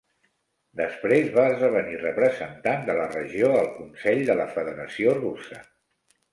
Després, va esdevenir representant de la regió al Consell de la Federació Russa.